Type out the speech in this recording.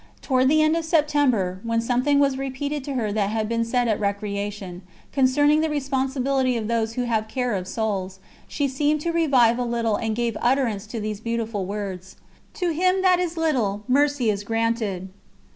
Toward the end of September, when something was repeated to her that had been said at recreation, concerning the responsibility of those who have care of souls, she seemed to revive a little and gave utterance to these beautiful words: "To him that is little, mercy is granted.